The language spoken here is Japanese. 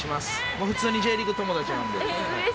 普通にＪリーグ友達なんで。